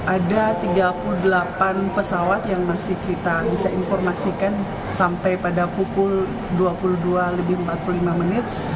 ada tiga puluh delapan pesawat yang masih kita bisa informasikan sampai pada pukul dua puluh dua lebih empat puluh lima menit